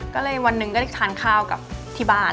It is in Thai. ก็เลยวันหนึ่งก็ได้ทานข้าวกับที่บ้าน